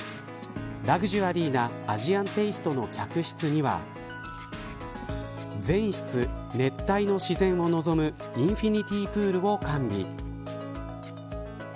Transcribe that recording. ラグジュアリーなアジアンテイストの客室には全室、熱帯の自然を望むインフィニティ・プールを完備。